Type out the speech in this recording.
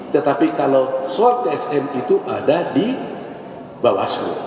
tetapi kalau suara tsm itu ada di bawah suruh